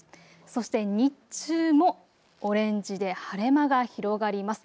そして日中もオレンジで晴れ間が広がります。